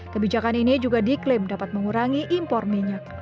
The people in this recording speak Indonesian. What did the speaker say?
kebijakan ini juga diklaim dapat mengurangi impor minyak